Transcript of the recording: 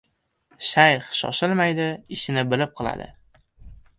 Shayx shoshilmaydi. Ishini bilib qiladi.